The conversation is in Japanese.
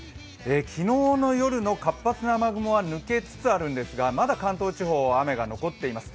昨日の夜の活発な雨雲は抜けつつあるんですが、まだ関東地方は雨が残っています。